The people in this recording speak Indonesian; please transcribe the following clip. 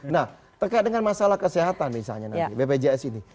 nah terkait dengan masalah kesehatan misalnya nanti bpjs ini